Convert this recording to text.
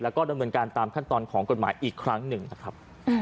แล้วก็ดำเนินการตามขั้นตอนของกฎหมายอีกครั้งหนึ่งนะครับ